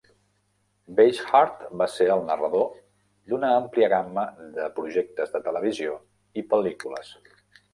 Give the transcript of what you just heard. Basehart va ser el narrador d'una àmplia gamma de projectes de televisió i pel·lícules.